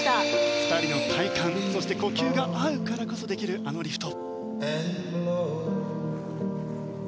２人の体感呼吸が合うからこそできる、あのリフト。